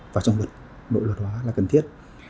và trong đội luật hóa là cần thiết